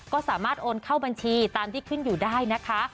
ก็สามารถโอนเข้าบัญชีตามที่ขึ้นอยู่ได้นะคะ